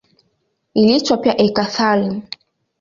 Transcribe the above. Iliitwa pia eka-thallium.